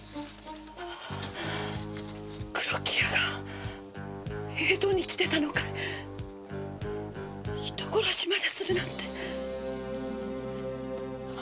黒木屋が江戸に来てたのかい人殺しまでするなんて。